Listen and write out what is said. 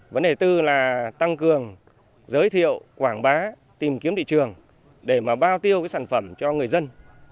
vấn đề tư là tăng cường giới thiệu quảng bá tìm kiếm địa trường để bao tiêu sản phẩm cho người dân